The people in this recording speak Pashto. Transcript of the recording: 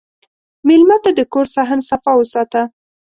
مېلمه ته د کور صحن صفا وساته.